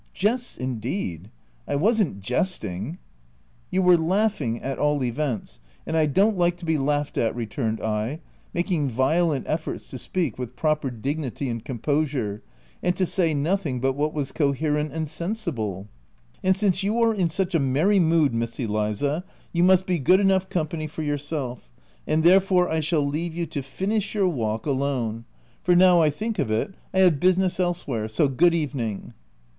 "Jests indeed ! I wasn't jesting /" u You were laughing, at all events ; and I don't like to be laughed at," returned I, making violent efforts to speak with proper dignity and composure, and to say nothing but what was coherent and sensible. " And since you are in such a merry mood, Miss Eliza, you must be good enough company for yourself; and therefore I shall leave you to finish your walk 280 THE TENANT alone — for, now I think of it, I have business elsewhere ; so good evening."